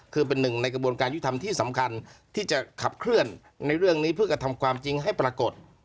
คือเป็นหนึ่งในกระบวนการยุทธรรมที่สำคัญที่จะขับเคลื่อนในเรื่องนี้เพื่อกระทำความจริงให้ปรากฏ